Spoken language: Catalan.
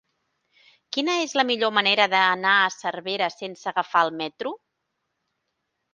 Quina és la millor manera d'anar a Cervera sense agafar el metro?